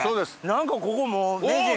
何かここもう名人。